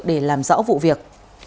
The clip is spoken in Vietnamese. để làm rõ vụ việc